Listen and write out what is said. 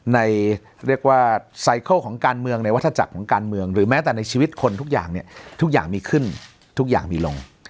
เรียกว่าไซเคิลของการเมืองในวัฒจักรของการเมืองหรือแม้แต่ในชีวิตคนทุกอย่างเนี่ยทุกอย่างมีขึ้นทุกอย่างมีลง